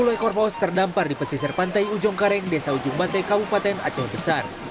sepuluh ekor paus terdampar di pesisir pantai ujung kareng desa ujung bate kabupaten aceh besar